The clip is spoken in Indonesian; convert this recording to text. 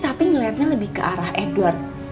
tapi ngelihatnya lebih ke arah edward